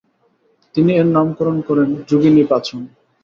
তিনি এর নামকরণ করেন যোগিনী পাচন।